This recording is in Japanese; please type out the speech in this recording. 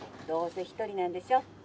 どうせ一人なんでしょ？